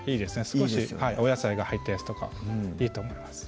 少しお野菜が入ったやつとかいいと思います